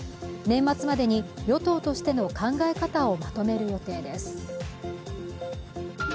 年末までに与党としての考え方をまとめる予定です。